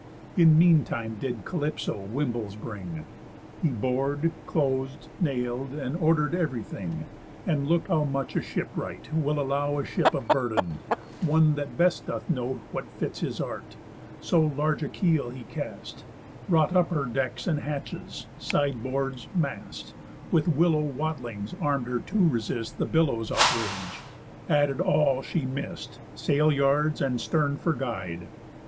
In mean time did Calypso wimbles bring. He bor'd, clos'd, nail'd, and order'd ev'ry thing, And look how much a ship wright will allow A ship of burden (one that best doth know What fits his art) so large a keel he cast, Wrought up her decks, and hatches, side boards, mast, With willow watlings arm'd her to resist The billows' outrage, added all she miss'd, Sail yards, and stern for guide.